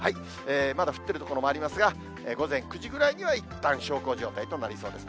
まだ降っている所もありますが、午前９時ぐらいには、いったん小康状態となりそうです。